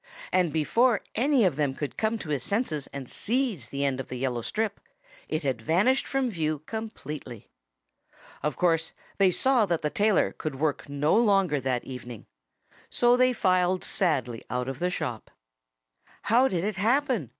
And before any of them could come to his senses and seize the end of the yellow strip, it had vanished from view completely. Of course they saw that the tailor could work no longer that evening. So they filed sadly out of the shop. "How did it happen?"